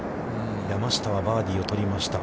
山下はバーディーを取りました。